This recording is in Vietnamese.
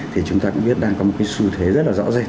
thì chúng ta cũng biết đang có một cái xu thế rất là rõ rệt